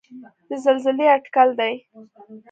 د زلزلې اټکل دی.